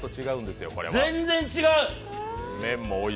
全然違う！